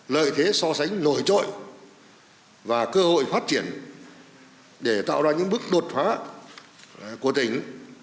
lợi thế so sánh nổi trội và cơ hội phát triển để tạo ra những bước đột phá của tỉnh